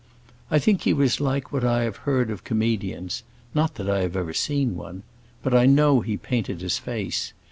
I think he was like what I have heard of comedians; not that I have ever seen one. But I know he painted his face.